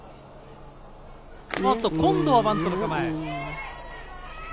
おっと、今度はバントの構え。